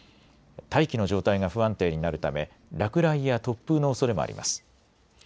大気の状態が不安定になるため落雷や突風のおそれもあります。